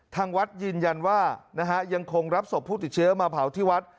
ทางวัดยืนยันว่ายังคงรับศพผู้ติดเชื้อมาเผาที่วัด